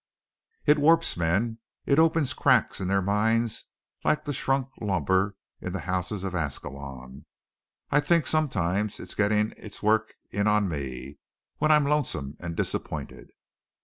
"It warps men, it opens cracks in their minds like the shrunk lumber in the houses of Ascalon. I think sometimes it's getting its work in on me, when I'm lonesome and disappointed."